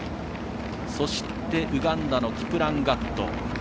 そして、ウガンダのキプラガット。